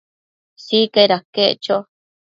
Sicaid aquec cho